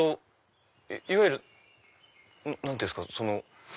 いわゆる何て言うんですか。